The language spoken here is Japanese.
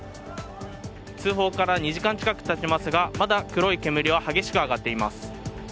通報から２時間近くたちますが、まだ黒い煙は激しく上がっています。